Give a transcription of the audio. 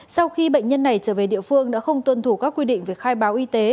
sau khi bệnh nhân này trở về địa phương đã không tuân thủ các quy định về khai báo y tế